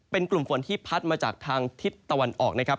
เป็นกลุ่มฝนที่พัดมาจากทางทิศตะวันออกนะครับ